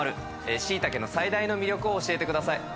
しいたけの最大の魅力を教えてください。